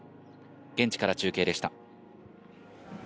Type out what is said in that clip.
現地から中継でした。